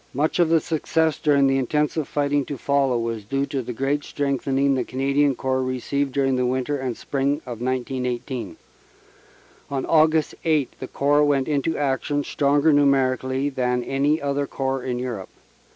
Much of the success during the intensive fighting to follow was due to the great strengthening the Canadian Corps received during the winter and spring of 1918. On Aug. 8 the Corps went into action stronger numerically than any other Corps in Europe.